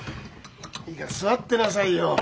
いいから座ってなさいよ。